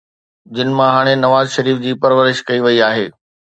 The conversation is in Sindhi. جن مان هاڻي نواز شريف جي پرورش ڪئي وئي آهي.